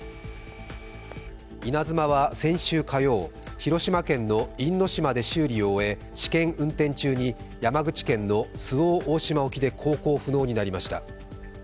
「いなづま」は先週火曜、広島県の因島で修理を終え、試験運転中に山口県の周防大島沖で航行不能になりました。